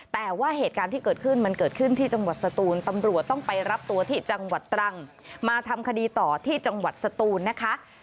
แต่ว่าเหตุการณ์ที่เกิดขึ้นมันเกิดขึ้นที่จังหวัดสตูนตำรวจต้องไปรับตัวที่จังหวัดตรังมาทำคดีต่อที่จังหวัดสตูนนะคะ